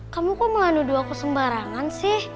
kamu kok menganu dua aku sembarangan sih